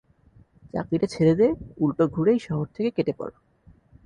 চাকরীটা ছেড়ে দে, উল্টো ঘুরে এই শহর থেকে কেটে পড়।